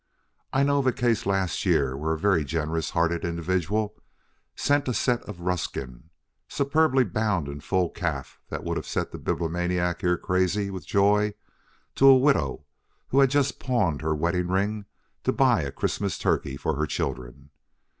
I know of a case last year where a very generous hearted individual sent a set of Ruskin, superbly bound in full calf that would have set the Bibliomaniac here crazy with joy, to a widow who had just pawned her wedding ring to buy a Christmas turkey for her children.